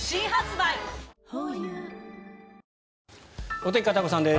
お天気、片岡さんです。